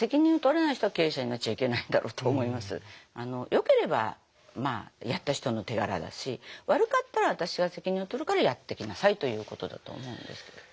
よければやった人の手柄だし悪かったら私が責任を取るからやってきなさいということだと思うんですけれども。